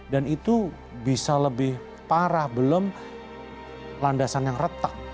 dan itu bisa lebih parah belum landasan yang retak